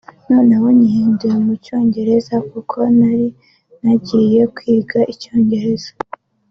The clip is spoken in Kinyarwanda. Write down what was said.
noneho nyihinduye mu cyongereza kuko nari ntangiye kwiga icyongereza